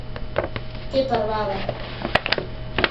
Que parvada!